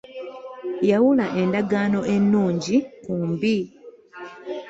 Yawula endagaano ennungi ku mbi.